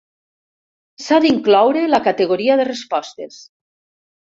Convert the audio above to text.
S'ha d'incloure la categoria de respostes.